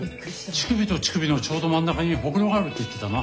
乳首と乳首のちょうど真ん中にホクロがあるって言ってたな。